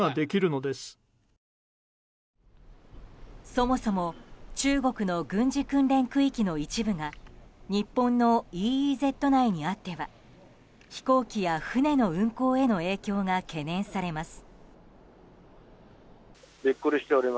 そもそも中国の軍事訓練区域の一部が日本のＥＥＺ内にあっては飛行機や船の運航への影響が懸念されます。